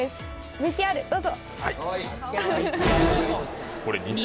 ＶＴＲどうぞ。